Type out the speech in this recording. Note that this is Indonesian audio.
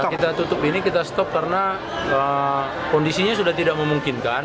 kita tutup ini kita stop karena kondisinya sudah tidak memungkinkan